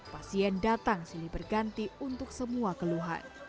pasien datang sini berganti untuk semua keluhan